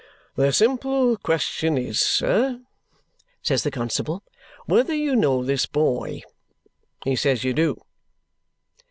"The simple question is, sir," says the constable, "whether you know this boy. He says you do."